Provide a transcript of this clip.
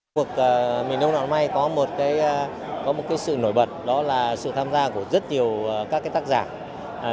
cuộc mình đông đoạn may có một sự nổi bật đó là sự tham gia của rất nhiều các tác giả